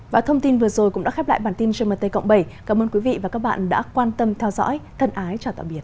và thông tin vừa rồi cũng đã khép lại bản tin gmt cộng bảy cảm ơn quý vị và các bạn đã quan tâm theo dõi thân ái chào tạm biệt